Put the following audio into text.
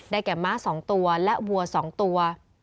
ได้แก่ม้าสองตัวและวัวสองตัว